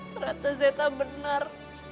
ternyata zeta benar